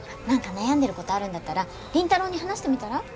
何か悩んでることあるんだったら凛太朗に話してみたら？